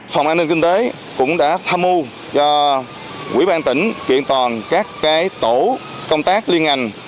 phòng an ninh kinh tế cũng đã tham mưu cho quỹ ban tỉnh kiện toàn các tổ công tác liên ngành